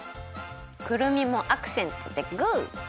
くるみもアクセントでグー！